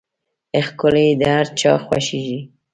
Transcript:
ښکلي د هر چا خوښېږي.